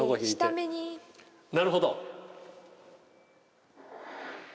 なるほど！